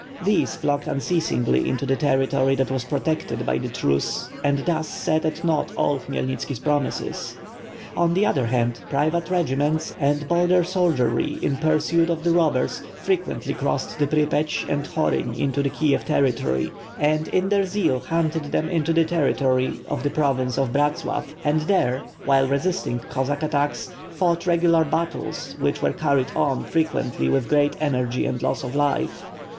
These flocked unceasingly into the territory that was protected by the truce and thus set at naught all Khmyelnitski's promises. On the other hand, private regiments and border soldiery, in pursuit of the robbers, frequently crossed the Prypets and Horyn into Kiev territory; or, in their zeal, hunted them into the interior of the province of Bratslav, and there, while resisting Cossack attacks, fought regular battles, which were carried on frequently with great energy and loss of life.